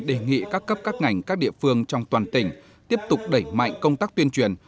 đề nghị các cấp các ngành các địa phương trong toàn tỉnh tiếp tục đẩy mạnh công tác tuyên truyền